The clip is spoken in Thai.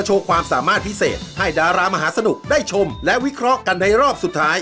ให้ดารามหาสนุกได้ชมและวิเคราะห์กันในรอบสุดท้าย